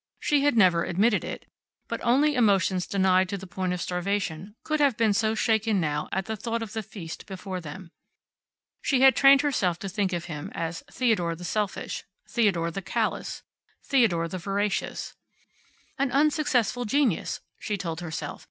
She had never admitted it. But only emotions denied to the point of starvation could have been so shaken now at the thought of the feast before them. She had trained herself to think of him as Theodore the selfish, Theodore the callous, Theodore the voracious. "An unsuccessful genius," she told herself.